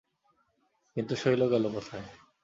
— কিন্তু শৈল গেল কোথায়?